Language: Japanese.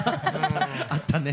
あったね。